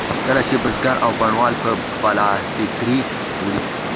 کله چې بزګر او بڼوال به بلابترې وړې.